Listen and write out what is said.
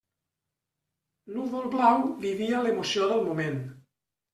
Núvol-Blau vivia l'emoció del moment.